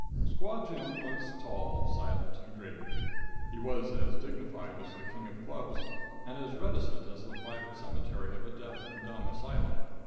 Squaw Jim was tall, silent and grave. He was as dignified as the king of clubs, and as reticent as the private cemetery of a deaf and dumb asylum.